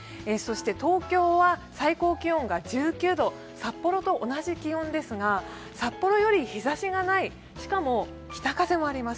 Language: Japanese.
東京は最高気温が１９度、札幌と同じ気温ですが、札幌より日ざしがない、しかも北風もあります。